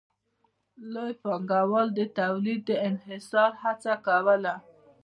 لوی پانګوال د تولید د انحصار هڅه کوله